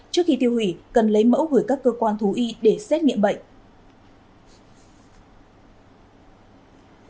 trước khi tiêu hủy cần lấy mẫu gửi các cơ quan thú y để xét nghiệm bệnh